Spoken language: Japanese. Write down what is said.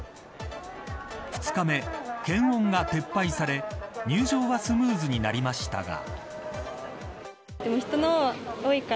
２日目、検温が撤廃され入場はスムーズになりましたが。